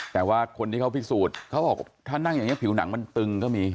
แต่ว่าคนที่เขาพิสูจน์เขาบอกถ้านั่งอย่างนี้ผิวหนังมันตึงก็มี